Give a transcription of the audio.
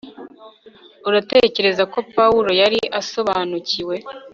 uratekereza ko pawulo yari asobanukiwe